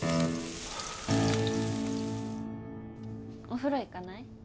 お風呂行かない？